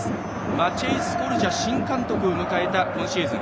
マチェイ・スコルジャ新監督を迎えた今シーズン。